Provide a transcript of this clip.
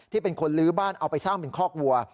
เป็นคนลื้อบ้านเอาไปสร้างเป็นคอกวัว